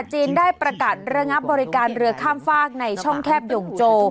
จีนได้ประกาศระงับบริการเรือข้ามฟากในช่องแคบหย่งโจ